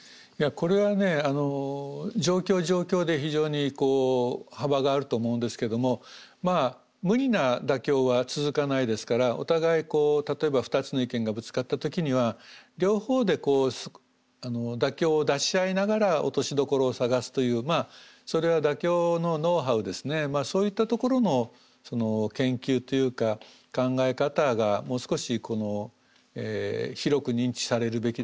これはね状況状況で非常にこう幅があると思うんですけどもまあ無理な妥協は続かないですからお互いこう例えば２つの意見がぶつかった時には両方でこう妥協を出し合いながら落としどころを探すというまあそれは妥協のノウハウですねそういったところの研究というか考え方がもう少し広く認知されるべきだなというふうには思うわけですね。